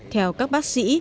theo các bác sĩ